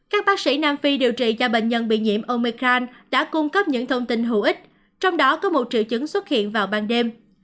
các bác sĩ nam phi điều trị cho bệnh nhân bị nhiễm omekan đã cung cấp những thông tin hữu ích trong đó có một triệu chứng xuất hiện vào ban đêm